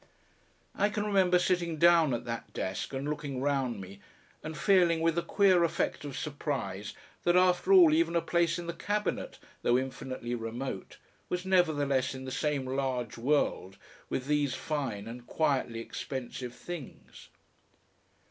I can remember sitting down at that desk and looking round me and feeling with a queer effect of surprise that after all even a place in the Cabinet, though infinitely remote, was nevertheless in the same large world with these fine and quietly expensive things.